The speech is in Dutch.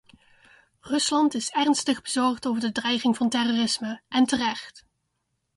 Rusland is ernstig bezorgd over de dreiging van terrorisme, en terecht.